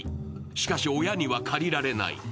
しかし、親には借りられない。